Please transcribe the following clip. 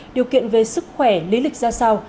điều kiện về sức khỏe lý lịch ra sao